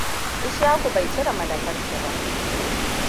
Ishaku bai cire malafanshi ba.